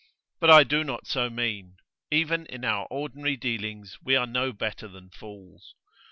But I do not so mean; even in our ordinary dealings we are no better than fools.